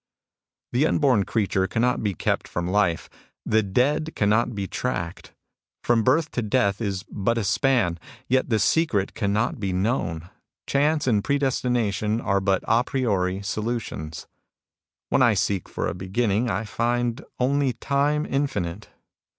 " The unborn creature cannot be kept from life. The dead cannot be tracked. From birth to death is but a span ; yet the secret cannot be known. Chance and Predestination are but d priori solutions. " When I seek for a beginning, I find only time infinite.